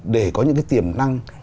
để có những tiềm năng